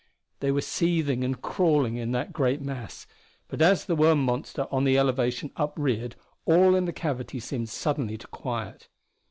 They were seething and crawling in that great mass; but as the worm monster on the elevation upreared, all in the cavity seemed suddenly to quiet.